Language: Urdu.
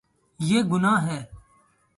یے گناہ ہے